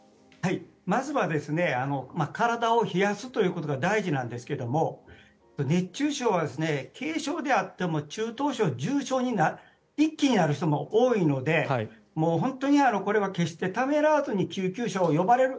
まずは体を冷やすということが大事なんですが熱中症は軽症であっても中等症、重症に一気になる人も多いので本当にこれは決してためらわずに救急車を呼ばれる。